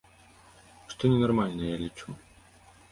Што ненармальна, я лічу.